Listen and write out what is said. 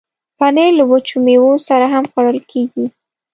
پنېر له وچو میوو سره هم خوړل کېږي.